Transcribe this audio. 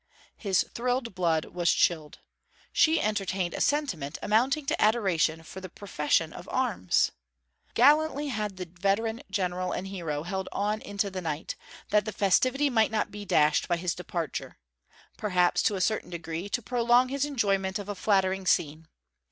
His thrilled blood was chilled. She entertained a sentiment amounting to adoration for the profession of arms! Gallantly had the veteran General and Hero held on into the night, that the festivity might not be dashed by his departure; perhaps, to a certain degree, to prolong his enjoyment of a flattering scene.